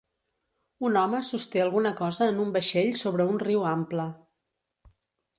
Un home sosté alguna cosa en un vaixell sobre un riu ample.